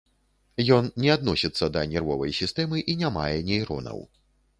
Ён не адносіцца да нервовай сістэмы і не мае нейронаў.